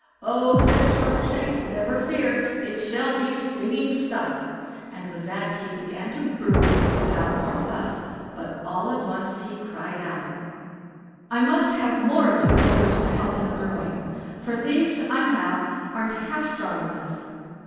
"Oh", said Shortshanks, "never fear, it shall be stinging stuff"; and with that he began to brew without more fuss, but all at once he cried out: "I must have more of you Ogres to help in the brewing, for these I have got a'nt half strong enough."